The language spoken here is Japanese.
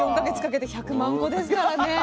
４か月かけて１００万個ですからね。